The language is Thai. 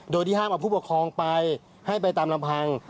โดยที่ห้ามเอาผู้ปกครองไปให้ไปตามลำพัง